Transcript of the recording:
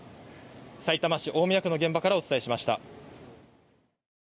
さいたま市大宮区の現場からお伝えしました。